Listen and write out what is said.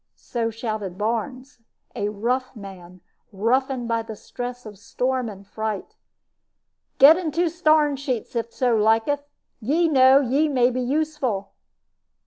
So shouted Barnes a rough man, roughened by the stress of storm and fright. "Get into starn sheets if so liketh. Ye know, ye may be useful."